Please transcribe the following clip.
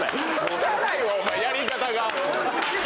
汚いわお前やり方が！